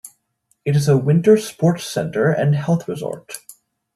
It is a winter sports center and health resort.